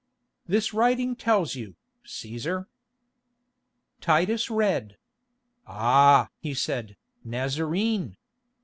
"This writing tells you, Cæsar." Titus read. "Ah!" he said, "Nazarene.